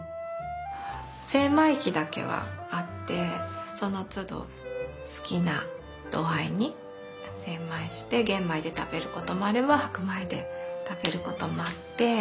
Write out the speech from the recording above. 精米機だけはあってそのつど好きな度合いに精米して玄米で食べることもあれば白米で食べることもあって。